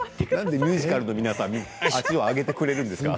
ミュージカルの方は足を上げてくださるんですか。